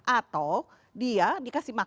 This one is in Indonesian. atau dia dikasih makan